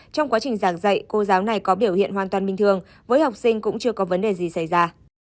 trong quá trình giảng dạy cô giáo này có biểu hiện hoàn toàn bình thường với học sinh cũng chưa có vấn đề gì xảy ra